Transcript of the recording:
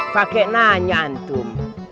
pakai nanya antum